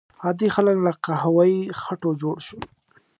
عادي خلک له قهوه یي خټو جوړ شول.